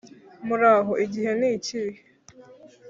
muraho, igihe nikihe?